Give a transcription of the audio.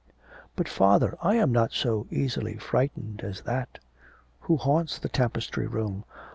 'But, father, I am not so easily frightened as that.' 'Who haunts the tapestry room?'